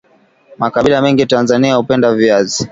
Makabila mengi Tanzania hupenda viazi